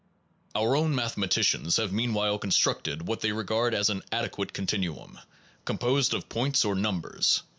Our own mathematicians have meanwhile constructed what they regard as an adequate continuum, composed of points or numbers.